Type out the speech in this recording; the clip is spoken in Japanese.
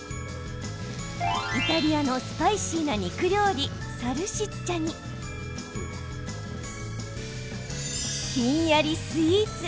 イタリアのスパイシーな肉料理サルシッチャにひんやりスイーツ。